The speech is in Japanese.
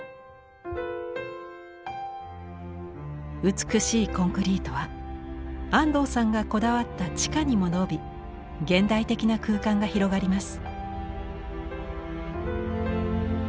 美しいコンクリートは安藤さんがこだわった地下にも延び現代的な空間が広がります。